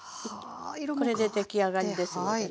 これで出来上がりですのでね。